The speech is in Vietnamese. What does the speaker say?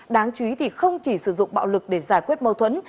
đáng chú ý thì không chỉ sử dụng bạo lực để giải quyết mâu thuẫn